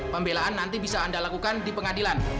pembelaan nanti bisa anda lakukan di pengadilan